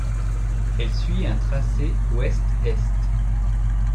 Elle suit un tracé ouest-est.